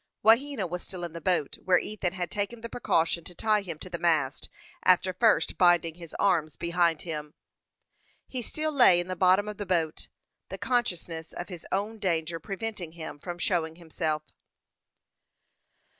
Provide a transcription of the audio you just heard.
Wahena was still in the boat, where Ethan had taken the precaution to tie him to the mast, after first binding his arms behind him. He still lay in the bottom of the boat, the consciousness of his own danger preventing him from showing himself.